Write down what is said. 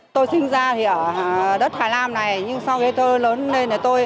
tôi sinh ra ở đất hà nam này nhưng sau khi tôi lớn lên